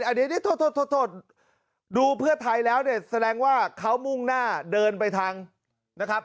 อันนี้โทษโทษดูเพื่อไทยแล้วเนี่ยแสดงว่าเขามุ่งหน้าเดินไปทางนะครับ